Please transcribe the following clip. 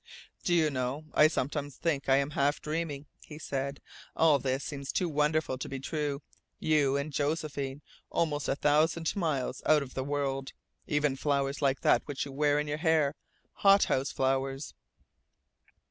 "Do you know I sometimes think that I am half dreaming," he said. "All this seems too wonderful to be true you, and Josephine, almost a thousand miles out of the world. Even flowers like that which you wear in your hair hot house flowers!"